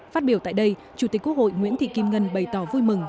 phát biểu tại đây chủ tịch quốc hội nguyễn thị kim ngân bày tỏ vui mừng